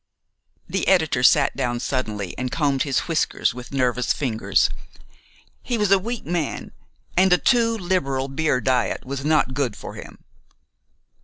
The editor sat down suddenly and combed his whiskers with nervous fingers. He was a weak man, and a too liberal beer diet was not good for him.